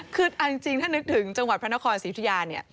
คือเอาจริงถ้านึกถึงจังหวัดพระนครศรีอุทิยาเนี่ย